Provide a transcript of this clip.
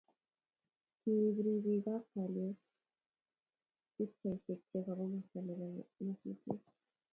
Kiib ripik ab kalyet pikchaishek chebo komasata nebo nyasutiet